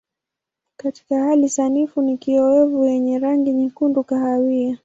Katika hali sanifu ni kiowevu yenye rangi nyekundu kahawia.